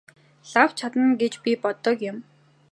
Лав чадна гэж би боддог юм.